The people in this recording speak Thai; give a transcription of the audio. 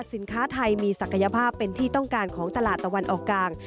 สินค้าไทยมีศักยภาพเป็นที่ต้องการของตลาดตะวันออกกลาง